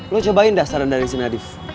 kamu coba saran dari si nadif